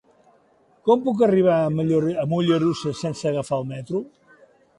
Com puc arribar a Mollerussa sense agafar el metro?